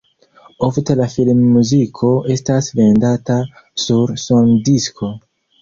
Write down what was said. Ofte la filmmuziko estas vendata sur sondisko.